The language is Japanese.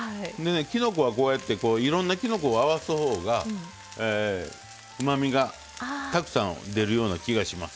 きのこはこうやっていろんなきのこを合わすほうがうまみがたくさん出るような気がします。